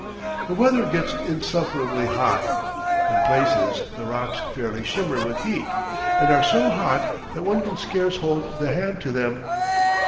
The weather gets insufferably hot; in places the rocks fairly shimmer with heat, and are so hot that one can scarce hold the hand to them.